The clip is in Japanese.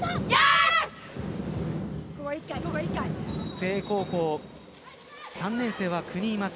誠英高校、３年生は９人います。